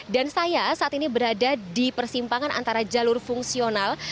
saya saat ini berada di persimpangan antara jalur fungsional